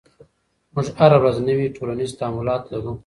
موږ هره ورځ نوي ټولنیز تعاملات لرو.